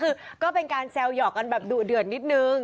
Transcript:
คือก็เป็นการแซวหยอกกันแบบดุเดือดนิดนึง